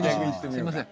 すみません。